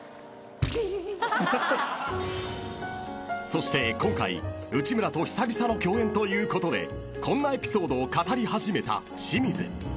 ［そして今回内村と久々の共演ということでこんなエピソードを語り始めた清水］